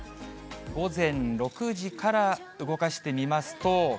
午前６時から動かしてみますと。